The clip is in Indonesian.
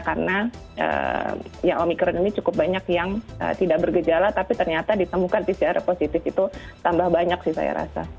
karena omikron ini cukup banyak yang tidak bergejala tapi ternyata ditemukan di sejarah positif itu tambah banyak sih saya rasa